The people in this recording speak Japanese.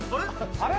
あれ？